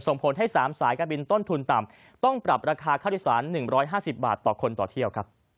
ส่งผลให้๓สายการบินต้นทุนต่ำต้องปรับราคาค่าโดยสาร๑๕๐บาทต่อคนต่อเที่ยว